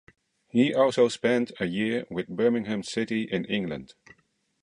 He also spent a year with Birmingham City in England.